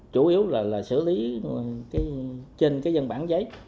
chủ yếu là xử lý trên dân bản giấy